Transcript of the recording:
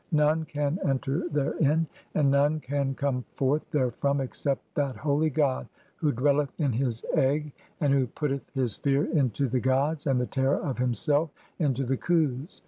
None "can enter therein, and none can come forth therefrom except "that holy god (3) who dwelleth in his egg, and who putteth "his fear into the gods and the terror of himself into the Khus.